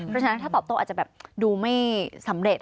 เพราะฉะนั้นถ้าตอบโต้อาจจะแบบดูไม่สำเร็จ